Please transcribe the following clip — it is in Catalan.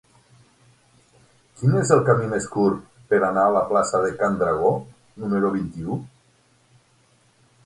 Quin és el camí més curt per anar a la plaça de Can Dragó número vint-i-u?